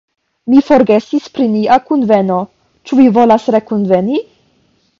"Mi forgesis pri nia kunveno, ĉu vi volas rekunveni?"